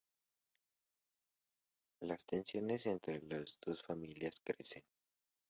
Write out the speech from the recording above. Las tensiones entre las dos familias crecen.